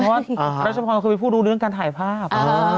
เพราะว่ารัชพรคือเป็นผู้รู้เรื่องการถ่ายภาพ